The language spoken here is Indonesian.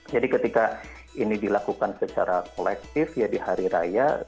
jadi ketika ini dilakukan secara kolektif ya di hari raya